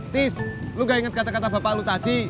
tis lu gak ingat kata kata bapak lu tadi